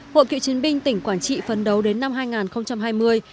hội cựu chiến binh tỉnh quảng trị phấn đấu đến năm hai nghìn hai mươi